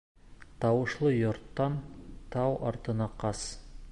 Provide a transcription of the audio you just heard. Тауышлы йорттан тау артына ҡас.